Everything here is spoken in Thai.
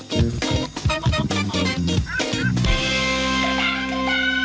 โปรดติดตามตอนต่อไป